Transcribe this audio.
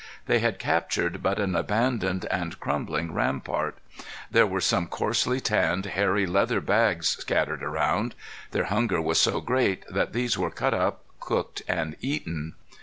They had captured but an abandoned and crumbling rampart. There were some coarsely tanned, hairy leather bags scattered around. Their hunger was so great that these were cut up, cooked, and eaten.